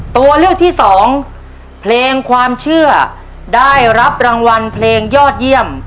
ตัวเลือกที่สองเพลงความเชื่อได้รับรางวัลเพลงยอดเยี่ยม